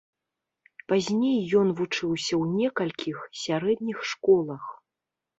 Пазней ён вучыўся ў некалькіх сярэдніх школах.